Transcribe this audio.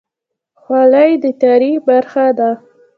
خولۍ د تاریخ برخه ده.